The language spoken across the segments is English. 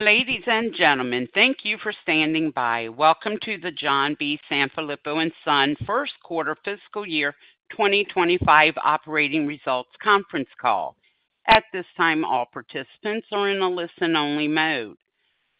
Ladies and gentlemen, thank you for standing by. Welcome to the John B. Sanfilippo & Son first quarter fiscal year 2025 operating results conference call. At this time, all participants are in a listen-only mode.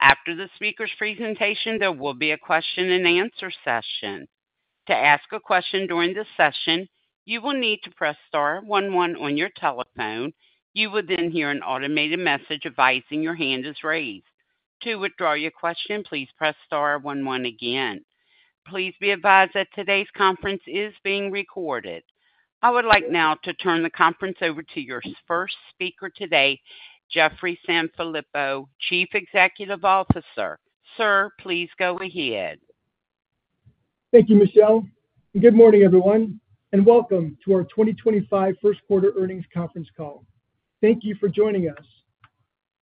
After the speaker's presentation, there will be a question-and-answer session. To ask a question during this session, you will need to press star one one on your telephone. You will then hear an automated message advising your hand is raised. To withdraw your question, please press star one one again. Please be advised that today's conference is being recorded. I would like now to turn the conference over to your first speaker today, Jeffrey Sanfilippo, Chief Executive Officer. Sir, please go ahead. Thank you, Michelle. Good morning, everyone, and welcome to our 2025 first quarter earnings conference call. Thank you for joining us.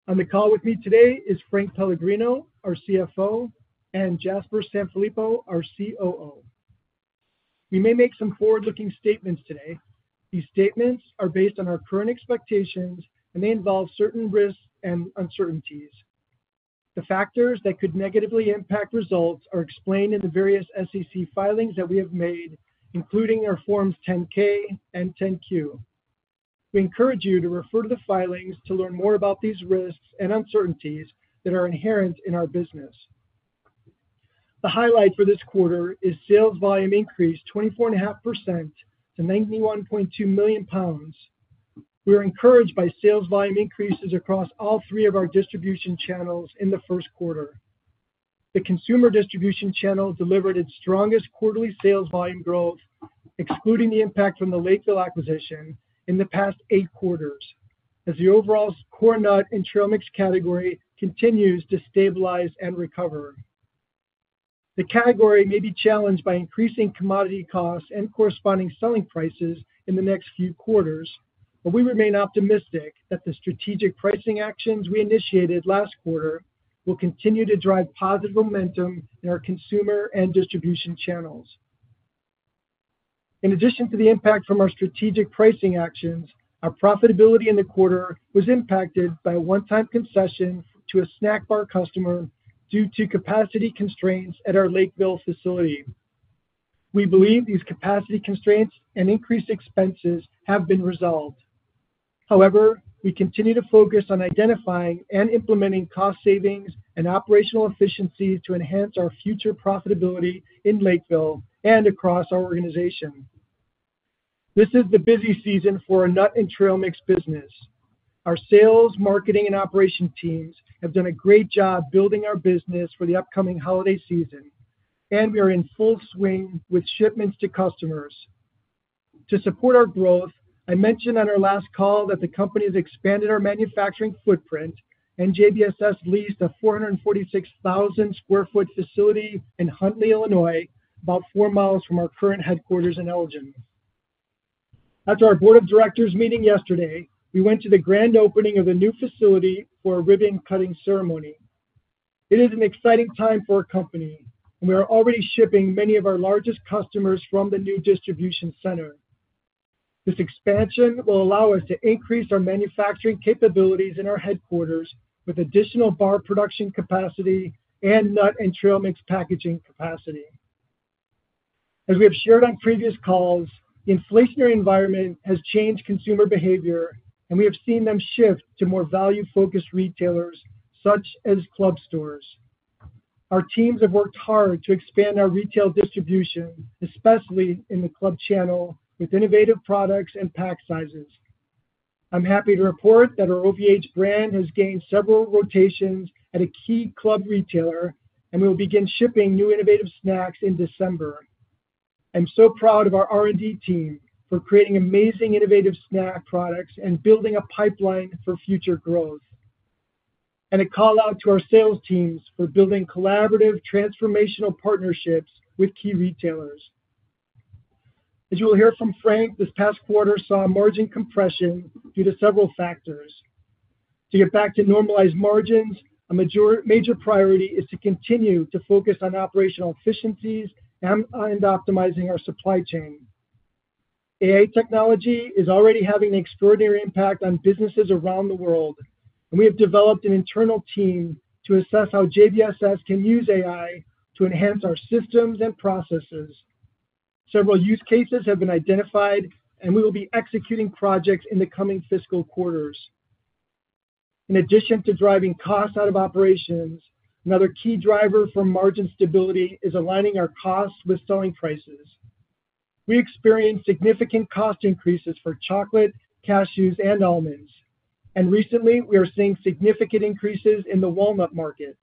On the call with me today is Frank Pellegrino, our CFO, and Jasper Sanfilippo, our COO. We may make some forward-looking statements today. These statements are based on our current expectations, and they involve certain risks and uncertainties. The factors that could negatively impact results are explained in the various SEC filings that we have made, including our Forms 10-K and 10-Q. We encourage you to refer to the filings to learn more about these risks and uncertainties that are inherent in our business. The highlight for this quarter is sales volume increased 24.5% to $91.2 million. We are encouraged by sales volume increases across all three of our distribution channels in the first quarter. The consumer distribution channel delivered its strongest quarterly sales volume growth, excluding the impact from the Lakeville acquisition in the past eight quarters, as the overall core nut and trail mix category continues to stabilize and recover. The category may be challenged by increasing commodity costs and corresponding selling prices in the next few quarters, but we remain optimistic that the strategic pricing actions we initiated last quarter will continue to drive positive momentum in our consumer and distribution channels. In addition to the impact from our strategic pricing actions, our profitability in the quarter was impacted by a one-time concession to a snack bar customer due to capacity constraints at our Lakeville facility. We believe these capacity constraints and increased expenses have been resolved. However, we continue to focus on identifying and implementing cost savings and operational efficiencies to enhance our future profitability in Lakeville and across our organization. This is the busy season for our nut and trail mix business. Our sales, marketing, and operation teams have done a great job building our business for the upcoming holiday season, and we are in full swing with shipments to customers. To support our growth, I mentioned on our last call that the company has expanded our manufacturing footprint, and JBSS leased a 446,000 sq ft facility in Huntley, Illinois, about four miles from our current headquarters in Elgin. After our board of directors meeting yesterday, we went to the grand opening of the new facility for a ribbon-cutting ceremony. It is an exciting time for our company, and we are already shipping many of our largest customers from the new distribution center. This expansion will allow us to increase our manufacturing capabilities in our headquarters with additional bar production capacity and nut and trail mix packaging capacity. As we have shared on previous calls, the inflationary environment has changed consumer behavior, and we have seen them shift to more value-focused retailers such as club stores. Our teams have worked hard to expand our retail distribution, especially in the club channel, with innovative products and pack sizes. I'm happy to report that our OVH brand has gained several rotations at a key club retailer, and we will begin shipping new innovative snacks in December. I'm so proud of our R&D team for creating amazing innovative snack products and building a pipeline for future growth, and a call out to our sales teams for building collaborative transformational partnerships with key retailers. As you will hear from Frank, this past quarter saw margin compression due to several factors. To get back to normalized margins, a major priority is to continue to focus on operational efficiencies and optimizing our supply chain. AI technology is already having an extraordinary impact on businesses around the world, and we have developed an internal team to assess how JBSS can use AI to enhance our systems and processes. Several use cases have been identified, and we will be executing projects in the coming fiscal quarters. In addition to driving costs out of operations, another key driver for margin stability is aligning our costs with selling prices. We experienced significant cost increases for chocolate, cashews, and almonds, and recently we are seeing significant increases in the walnut market.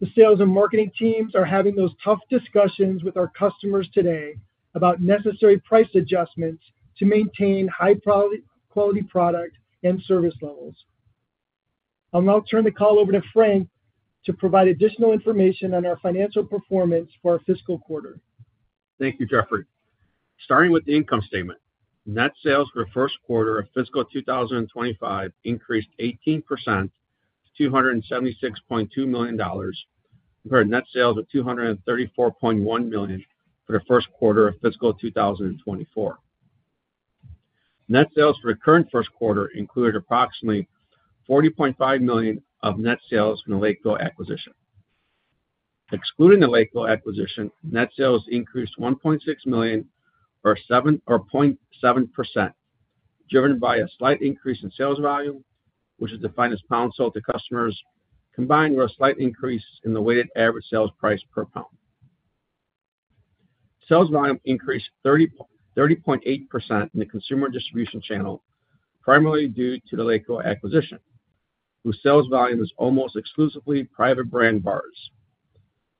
The sales and marketing teams are having those tough discussions with our customers today about necessary price adjustments to maintain high-quality product and service levels. I'll now turn the call over to Frank to provide additional information on our financial performance for our fiscal quarter. Thank you, Jeffrey. Starting with the income statement, net sales for the first quarter of fiscal 2025 increased 18% to $276.2 million, compared to net sales of $234.1 million for the first quarter of fiscal 2024. Net sales for the current first quarter included approximately $40.5 million of net sales from the Lakeville acquisition. Excluding the Lakeville acquisition, net sales increased $1.6 million or 0.7%, driven by a slight increase in sales volume, which is defined as pounds sold to customers, combined with a slight increase in the weighted average sales price per pound. Sales volume increased 30.8% in the consumer distribution channel, primarily due to the Lakeville acquisition, whose sales volume is almost exclusively private brand bars.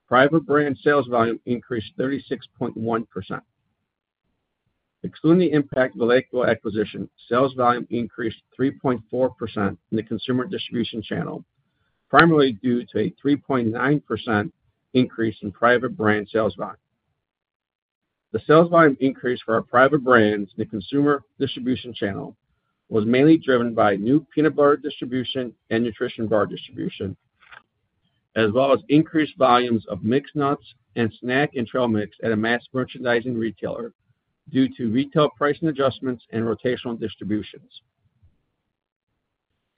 Private brand sales volume increased 36.1%. Excluding the impact of the Lakeville acquisition, sales volume increased 3.4% in the consumer distribution channel, primarily due to a 3.9% increase in private brand sales volume. The sales volume increase for our private brands in the consumer distribution channel was mainly driven by new peanut butter distribution and nutrition bar distribution, as well as increased volumes of mixed nuts and snack and trail mix at a mass merchandising retailer due to retail pricing adjustments and rotational distributions.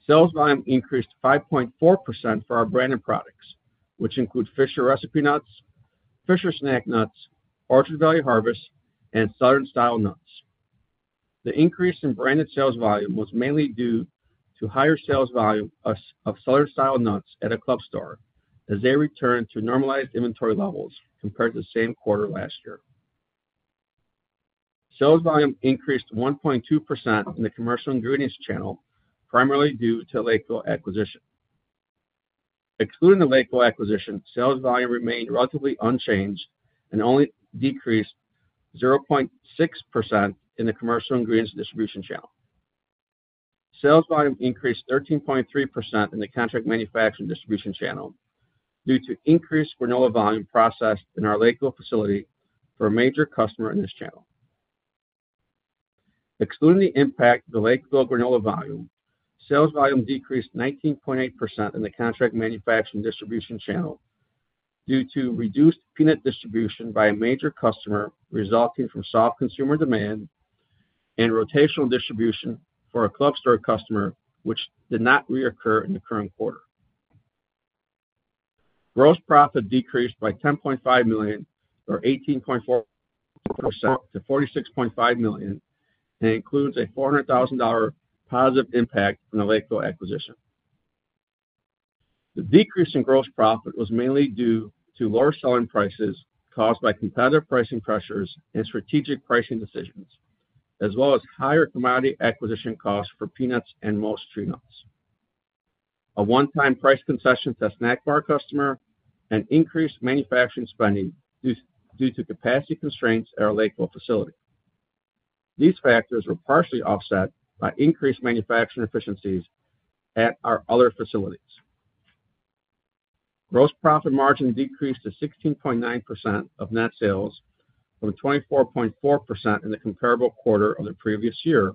Sales volume increased 5.4% for our branded products, which include Fisher Recipe Nuts, Fisher Snack Nuts, Orchard Valley Harvest, and Southern Style Nuts. The increase in branded sales volume was mainly due to higher sales volume of Southern Style Nuts at a club store as they returned to normalized inventory levels compared to the same quarter last year. Sales volume increased 1.2% in the commercial ingredients channel, primarily due to the Lakeville acquisition. Excluding the Lakeville acquisition, sales volume remained relatively unchanged and only decreased 0.6% in the commercial ingredients distribution channel. Sales volume increased 13.3% in the contract manufacturing distribution channel due to increased granola volume processed in our Lakeville facility for a major customer in this channel. Excluding the impact of the Lakeville granola volume, sales volume decreased 19.8% in the contract manufacturing distribution channel due to reduced peanut distribution by a major customer resulting from soft consumer demand and rotational distribution for a club store customer, which did not reoccur in the current quarter. Gross profit decreased by $10.5 million, or 18.4%, to $46.5 million, and includes a $400,000 positive impact from the Lakeville acquisition. The decrease in gross profit was mainly due to lower selling prices caused by competitive pricing pressures and strategic pricing decisions, as well as higher commodity acquisition costs for peanuts and most tree nuts, a one-time price concession to a snack bar customer, and increased manufacturing spending due to capacity constraints at our Lakeville facility. These factors were partially offset by increased manufacturing efficiencies at our other facilities. Gross profit margin decreased to 16.9% of net sales from 24.4% in the comparable quarter of the previous year,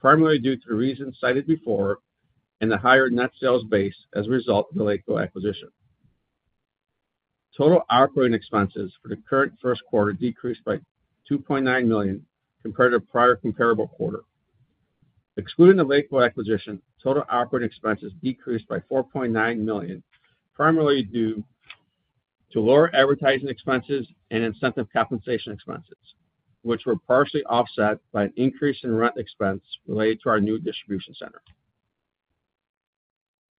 primarily due to the reasons cited before and the higher net sales base as a result of the Lakeville acquisition. Total operating expenses for the current first quarter decreased by $2.9 million compared to a prior comparable quarter. Excluding the Lakeville acquisition, total operating expenses decreased by $4.9 million, primarily due to lower advertising expenses and incentive compensation expenses, which were partially offset by an increase in rent expense related to our new distribution center.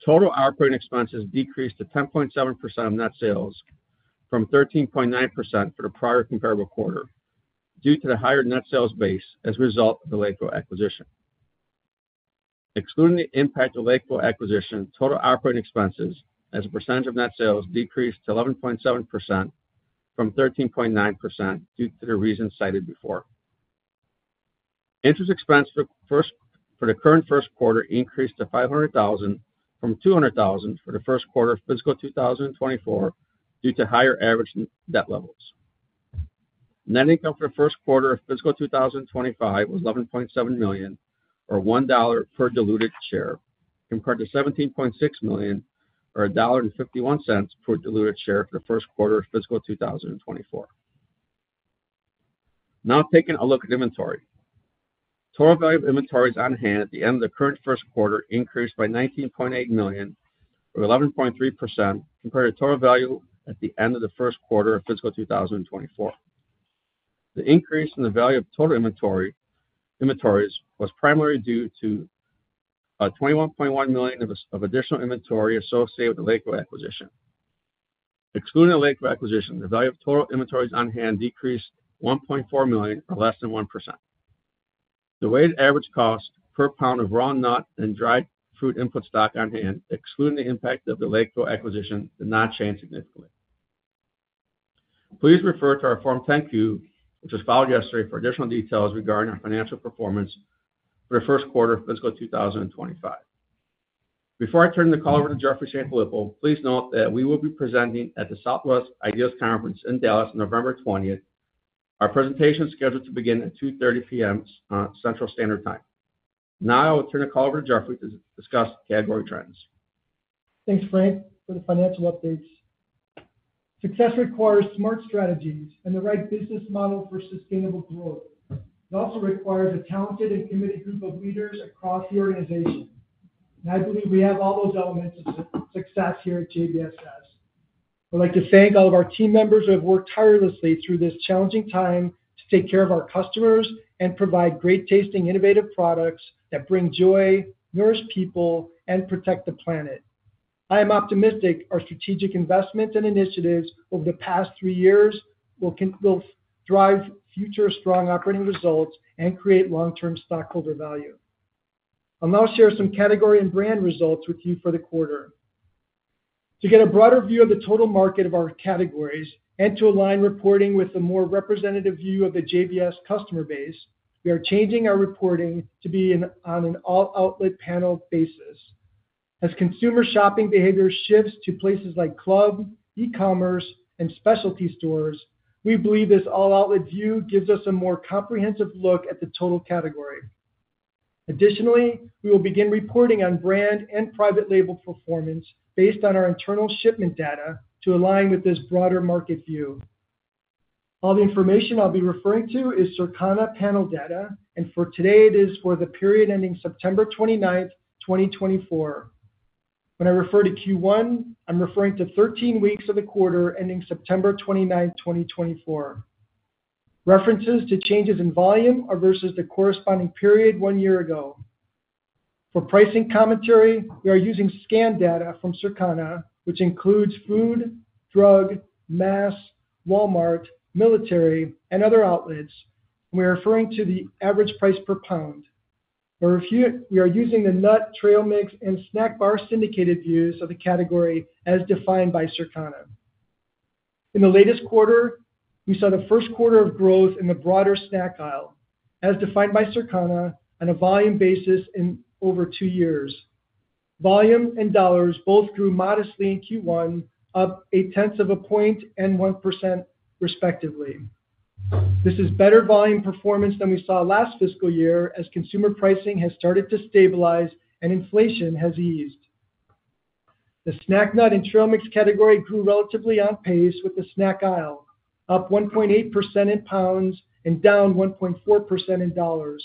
Total operating expenses decreased to 10.7% of net sales from 13.9% for the prior comparable quarter due to the higher net sales base as a result of the Lakeville acquisition. Excluding the impact of Lakeville acquisition, total operating expenses as a percentage of net sales decreased to 11.7% from 13.9% due to the reasons cited before. Interest expense for the current first quarter increased to $500,000 from $200,000 for the first quarter of fiscal 2024 due to higher average debt levels. Net income for the first quarter of fiscal 2025 was $11.7 million, or $1 per diluted share, compared to $17.6 million, or $1.51 per diluted share for the first quarter of fiscal 2024. Now taking a look at inventory. Total value of inventories on hand at the end of the current first quarter increased by $19.8 million, or 11.3%, compared to total value at the end of the first quarter of fiscal 2024. The increase in the value of total inventories was primarily due to $21.1 million of additional inventory associated with the Lakeville acquisition. Excluding the Lakeville acquisition, the value of total inventories on hand decreased $1.4 million, or less than 1%. The weighted average cost per pound of raw nut and dried fruit input stock on hand, excluding the impact of the Lakeville acquisition, did not change significantly. Please refer to our Form 10-Q, which was filed yesterday, for additional details regarding our financial performance for the first quarter of fiscal 2025. Before I turn the call over to Jeffrey Sanfilippo, please note that we will be presenting at the Southwest IDEAS Conference in Dallas on November 20th. Our presentation is scheduled to begin at 2:30 P.M. Central Standard Time. Now I will turn the call over to Jeffrey to discuss category trends. Thanks, Frank, for the financial updates. Success requires smart strategies and the right business model for sustainable growth. It also requires a talented and committed group of leaders across the organization. And I believe we have all those elements of success here at JBSS. I'd like to thank all of our team members who have worked tirelessly through this challenging time to take care of our customers and provide great-tasting, innovative products that bring joy, nourish people, and protect the planet. I am optimistic our strategic investments and initiatives over the past three years will drive future strong operating results and create long-term stockholder value. I'll now share some category and brand results with you for the quarter. To get a broader view of the total market of our categories and to align reporting with a more representative view of the JBSS customer base, we are changing our reporting to be on an all-outlet panel basis. As consumer shopping behavior shifts to places like club, e-commerce, and specialty stores, we believe this all-outlet view gives us a more comprehensive look at the total category. Additionally, we will begin reporting on brand and private label performance based on our internal shipment data to align with this broader market view. All the information I'll be referring to is Circana panel data, and for today, it is for the period ending September 29th, 2024. When I refer to Q1, I'm referring to 13 weeks of the quarter ending September 29th, 2024. References to changes in volume are versus the corresponding period one year ago. For pricing commentary, we are using scanned data from Circana, which includes food, drug, mass, Walmart, military, and other outlets, and we are referring to the average price per pound. We are using the nut, trail mix, and snack bar syndicated views of the category as defined by Circana. In the latest quarter, we saw the first quarter of growth in the broader snack aisle, as defined by Circana, on a volume basis in over two years. Volume and dollars both grew modestly in Q1, up a tenth of a point and 1%, respectively. This is better volume performance than we saw last fiscal year as consumer pricing has started to stabilize and inflation has eased. The snack nut and trail mix category grew relatively on pace with the snack aisle, up 1.8% in pounds and down 1.4% in dollars.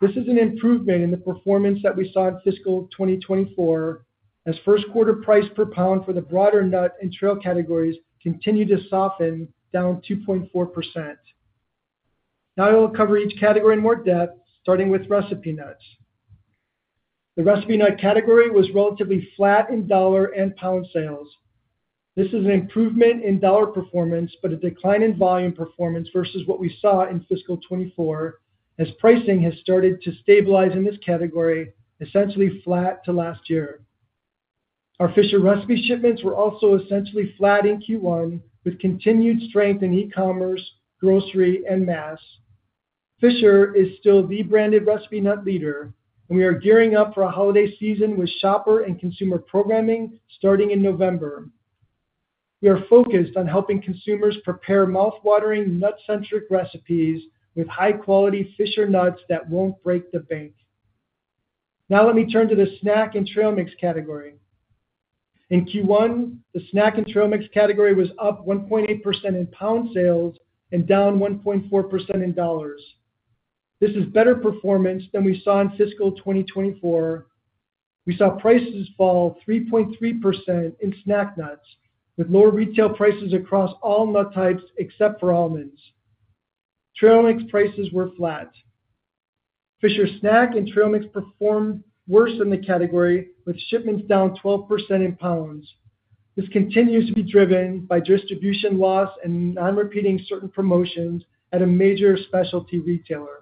This is an improvement in the performance that we saw in fiscal 2024 as first quarter price per pound for the broader nut and trail categories continued to soften down 2.4%. Now I will cover each category in more depth, starting with recipe nuts. The recipe nut category was relatively flat in dollar and pound sales. This is an improvement in dollar performance, but a decline in volume performance versus what we saw in fiscal 2024 as pricing has started to stabilize in this category, essentially flat to last year. Our Fisher recipe shipments were also essentially flat in Q1 with continued strength in e-commerce, grocery, and mass. Fisher is still the branded recipe nut leader, and we are gearing up for a holiday season with shopper and consumer programming starting in November. We are focused on helping consumers prepare mouthwatering, nut-centric recipes with high-quality Fisher nuts that won't break the bank. Now let me turn to the snack and trail mix category. In Q1, the snack and trail mix category was up 1.8% in pound sales and down 1.4% in dollars. This is better performance than we saw in fiscal 2024. We saw prices fall 3.3% in snack nuts with lower retail prices across all nut types except for almonds. Trail mix prices were flat. Fisher snack and trail mix performed worse in the category with shipments down 12% in pounds. This continues to be driven by distribution loss and non-repeating certain promotions at a major specialty retailer.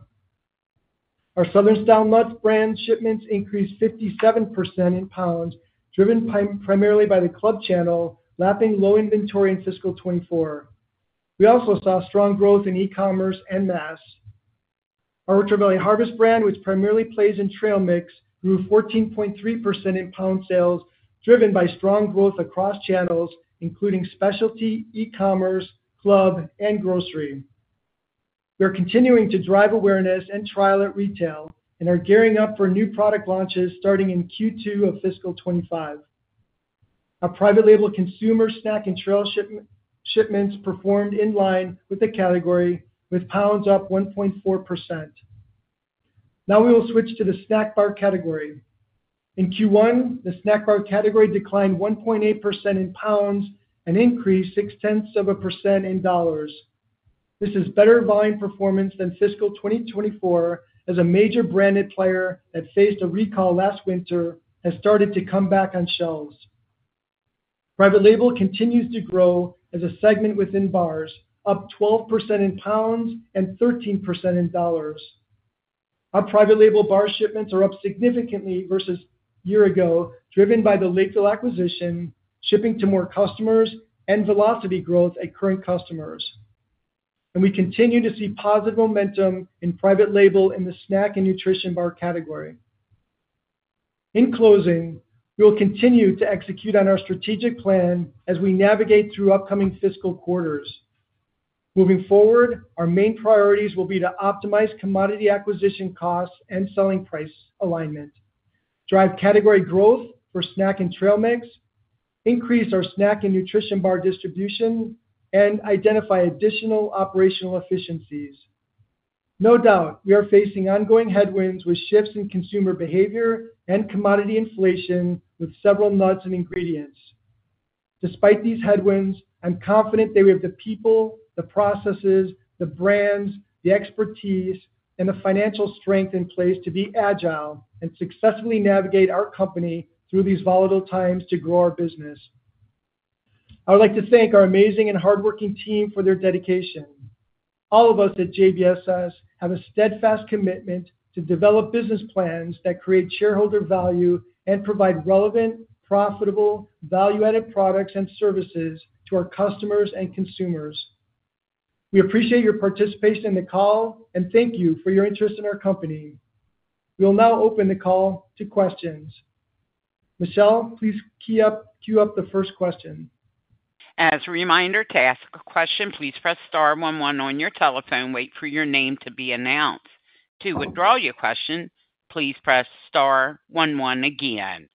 Our Southern Style Nuts brand shipments increased 57% in pounds, driven primarily by the club channel lapping low inventory in fiscal 2024. We also saw strong growth in e-commerce and mass. Our Orchard Valley Harvest brand, which primarily plays in trail mix, grew 14.3% in pound sales, driven by strong growth across channels, including specialty, e-commerce, club, and grocery. We are continuing to drive awareness and trial at retail and are gearing up for new product launches starting in Q2 of fiscal 25. Our private label consumer snack and trail shipments performed in line with the category, with pounds up 1.4%. Now we will switch to the snack bar category. In Q1, the snack bar category declined 1.8% in pounds and increased 0.6% in dollars. This is better volume performance than fiscal 2024 as a major branded player that faced a recall last winter has started to come back on shelves. Private label continues to grow as a segment within bars, up 12% in pounds and 13% in dollars. Our private label bar shipments are up significantly versus a year ago, driven by the Lakeville acquisition, shipping to more customers, and velocity growth at current customers, and we continue to see positive momentum in private label in the snack and nutrition bar category. In closing, we will continue to execute on our strategic plan as we navigate through upcoming fiscal quarters. Moving forward, our main priorities will be to optimize commodity acquisition costs and selling price alignment, drive category growth for snack and trail mix, increase our snack and nutrition bar distribution, and identify additional operational efficiencies. No doubt, we are facing ongoing headwinds with shifts in consumer behavior and commodity inflation with several nuts and ingredients. Despite these headwinds, I'm confident that we have the people, the processes, the brands, the expertise, and the financial strength in place to be agile and successfully navigate our company through these volatile times to grow our business. I would like to thank our amazing and hardworking team for their dedication. All of us at JBSS have a steadfast commitment to develop business plans that create shareholder value and provide relevant, profitable, value-added products and services to our customers and consumers. We appreciate your participation in the call and thank you for your interest in our company. We will now open the call to questions. Michelle, please queue up the first question. As a reminder to ask a question, please press star one one on your telephone. Wait for your name to be announced. To withdraw your question, please press star one one again.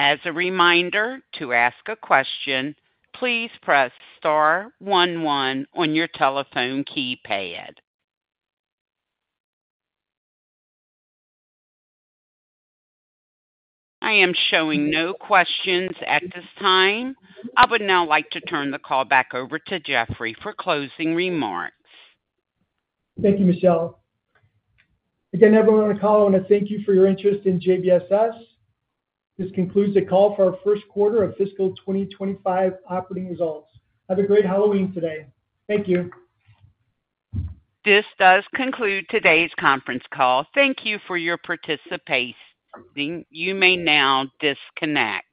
As a reminder to ask a question, please press star one one on your telephone keypad. I am showing no questions at this time. I would now like to turn the call back over to Jeffrey for closing remarks. Thank you, Michelle. Again, everyone on the call, I want to thank you for your interest in JBSS. This concludes the call for our first quarter of fiscal 2025 operating results. Have a great Halloween today. Thank you. This does conclude today's conference call. Thank you for your participation. You may now disconnect.